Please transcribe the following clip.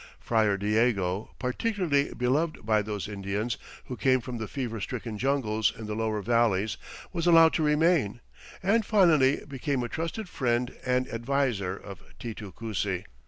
Friar Diego, particularly beloved by those Indians who came from the fever stricken jungles in the lower valleys, was allowed to remain, and finally became a trusted friend and adviser of Titu Cusi.